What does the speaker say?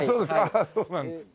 ああそうなんですか。